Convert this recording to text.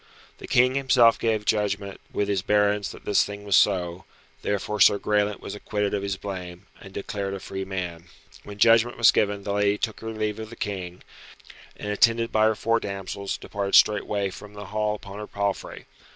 The King himself gave judgment with his barons that this thing was so; therefore Sir Graelent was acquitted of his blame, and declared a free man. When judgment was given the lady took her leave of the King, and attended by her four damsels departed straightway from the hall upon her palfrey.